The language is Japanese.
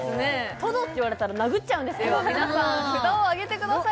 トドって言われたら殴っちゃうんですけどでは皆さん札をあげてください